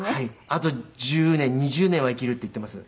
「あと１０年２０年は生きる」って言っています。